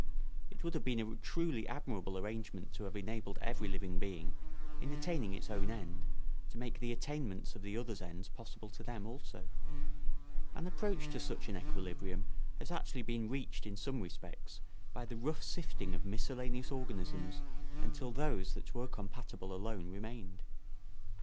It would have been a truly admirable arrangement to have enabled every living being, in attaining its own end, to make the attainments of the others' ends possible to them also. An approach to such an equilibrium has actually been reached in some respects by the rough sifting of miscellaneous organisms until those that were compatible alone remained.